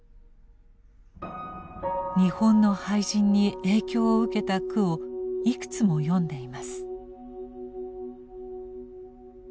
日本の俳人に影響を受けた句をいくつも詠んでいます。